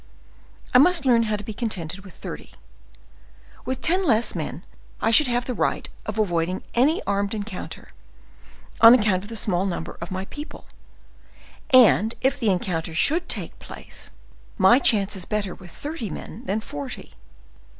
I must learn how to be contented with thirty. With ten men less I should have the right of avoiding any armed encounter, on account of the small number of my people; and if the encounter should take place, my chance is better with thirty men than forty.